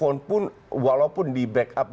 akan tapi buffon pun walaupun di back up dengan liga